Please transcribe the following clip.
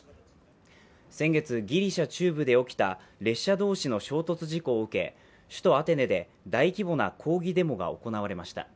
先月、ギリシャ中部で起きた列車同士の衝突事故を受け首都アテネで大規模な抗議デモが行われました。